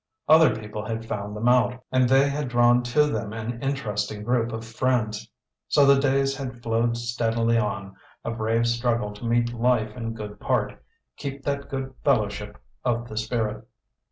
Other people had found them out, and they had drawn to them an interesting group of friends. So the days had flowed steadily on, a brave struggle to meet life in good part, keep that good fellowship of the spirit.